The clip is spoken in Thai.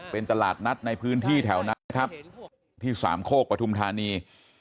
เป็นตลาดนัดในพื้นที่แถวนั้นนะครับที่สามโคกปฐุมธานี